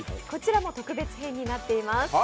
こちらも特別編になっています。